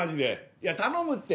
いや頼むって！